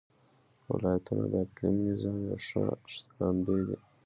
ولایتونه د اقلیمي نظام یو ښه ښکارندوی دی.